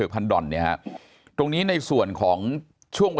ท่านรองโฆษกครับ